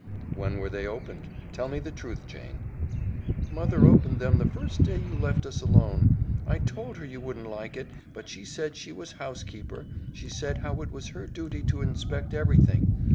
"When were they opened? Tell me the truth, Jane." "Mother opened them the first day you left us alone. I told her you wouldn't like it, but she said she was housekeeper; she said how it was her duty to inspect everything.